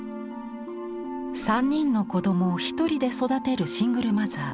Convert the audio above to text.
３人の子どもをひとりで育てるシングルマザー。